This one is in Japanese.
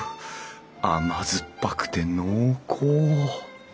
甘酸っぱくて濃厚。